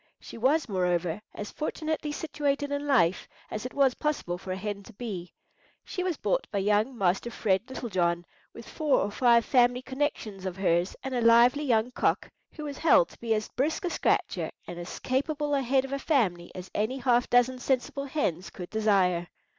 She was, moreover, as fortunately situated in life as it was possible for a hen to be. She was bought by young Master Fred Little John, with four or five family connections of hers, and a lively young cock, who was held to be as brisk a scratcher and as capable a head of a family as any half dozen sensible hens could desire.